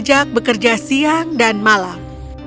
diajak bekerja siang dan malam